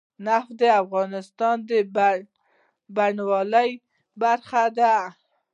نفت د افغانستان د بڼوالۍ برخه ده.